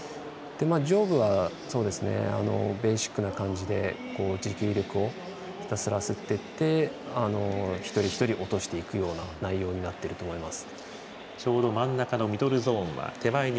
上部は、ベーシックな感じで持久力をひたすら吸っていって一人一人落としていくような感じがします。